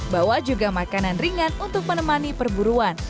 bawa juga makanan ringan untuk menemani perburuan